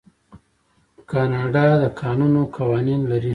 کاناډا د کانونو قوانین لري.